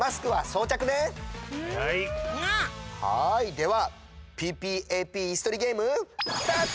ではＰＰＡＰイスとりゲームスタート！